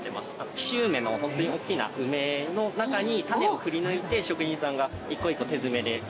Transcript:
紀州梅のホントにおっきな梅の中に種をくりぬいて職人さんが１個１個手詰めで。